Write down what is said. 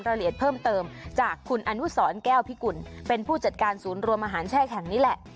รายละเอียดเพิ่มเติมจากคุณอนุสรแก้วพิกุลเป็นผู้จัดการศูนย์รวมอาหารแช่แห่งนี้แหละ